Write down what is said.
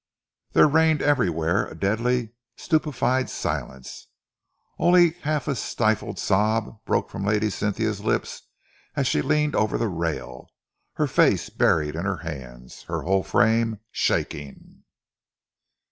There reigned everywhere a deadly, stupefied silence. Only a half stifled sob broke from Lady Cynthia's lips as she leaned over the rail, her face buried in her hands, her whole frame shaking.